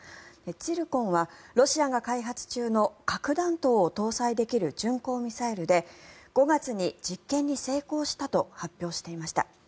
ツィルコンはロシアが開発中の核弾頭を搭載できる巡航ミサイルで５月に実験に成功したと発表していました。